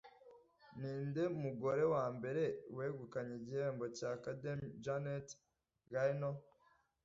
Ninde mugore wambere wegukanye igihembo cya Academy Janet Gaynor